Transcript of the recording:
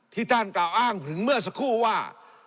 ท่านกล่าวอ้างถึงเมื่อสักครู่ว่า